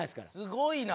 すごいな。